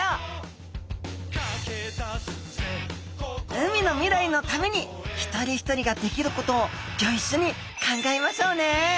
海の未来のために一人一人ができることをギョ一緒に考えましょうね！